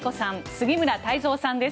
杉村太蔵さんです